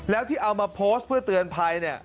แล้วที่เอามาโพสต์เพื่อเตือนภัยเนี่ย